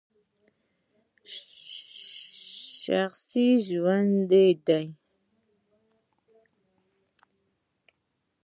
شخصي ژوند یې دی !